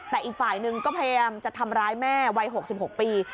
แต่อีกฝ่ายหนึ่งก็พยายามจะทำร้ายแม่วัย๖๖ปี